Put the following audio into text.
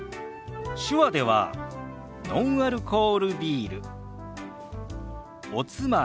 手話では「ノンアルコールビール」「おつまみ」と表すんですよ。